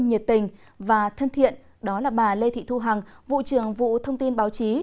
nhiệt tình và thân thiện đó là bà lê thị thu hằng vụ trưởng vụ thông tin báo chí